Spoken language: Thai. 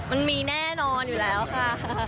มันมีแน่นอนอยู่แล้วค่ะ